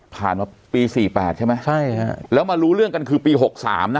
ผ่านมาปีสี่แปดใช่ไหมใช่ฮะแล้วมารู้เรื่องกันคือปี๖๓นะ